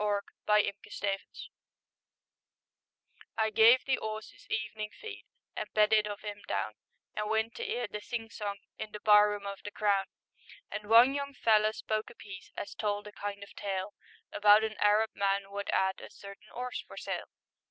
THE ARAB STEED I gave the 'orse 'is evenin' feed, And bedded of 'im down, And went to 'ear the sing song In the bar room of the Crown, And one young feller spoke a piece As told a kind of tale, About an Arab man wot 'ad A certain 'orse for sale.